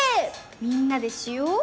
みんなでしよ？